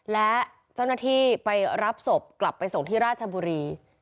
และเจ้าหน้าที่ไปรับศพกลับไปส่งที่ราชบุรี